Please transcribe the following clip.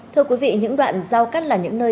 thưa quý vị những đoạn giao cắt là những nơi